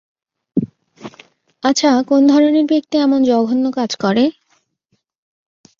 আচ্ছা, কোন ধরণের ব্যক্তি এমন জঘন্য কাজ করে?